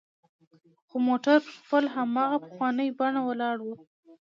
خو موټر پر خپل هماغه پخواني بڼه ولاړ و.